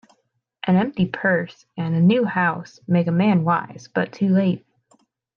An empty purse, and a new house, make a man wise, but too late.